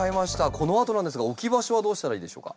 このあとなんですが置き場所はどうしたらいいでしょうか？